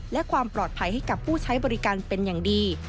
และความปลอดภัยให้กับผู้ใช้บริการเป็นอย่างดี